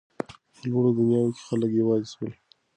په لوړو ودانیو کې خلک یوازې سول.